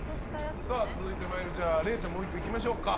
続いて、れいちゃんもう１個行きましょうか。